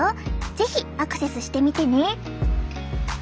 是非アクセスしてみてね。